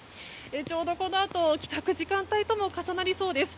ちょうどこのあと帰宅時間帯とも重なりそうです。